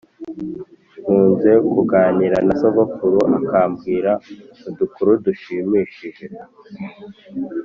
Nkunze kuganira na sogokuru akambwira udukuru dushimishije